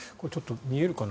見えるかな。